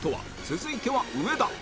続いては上田